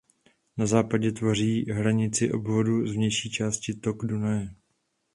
Na západě tvoří hranici obvodu z větší části tok Dunaje.